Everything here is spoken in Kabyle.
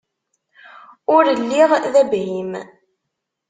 Ur lliɣ d abhim.